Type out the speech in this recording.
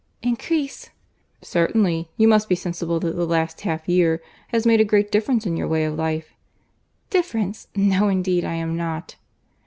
"Increase!" "Certainly; you must be sensible that the last half year has made a great difference in your way of life." "Difference! No indeed I am not."